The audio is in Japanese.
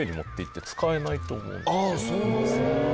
ああそうなんですね。